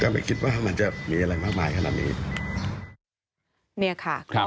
ก็ไม่คิดว่ามันจะมีอะไรมากมายครับ